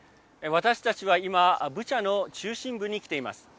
私たちは今ブチャの中心部に来ています。